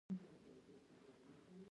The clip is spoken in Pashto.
ایا ستاسو خوبونه ګډوډ نه دي؟